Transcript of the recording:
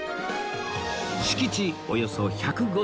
敷地およそ１０５坪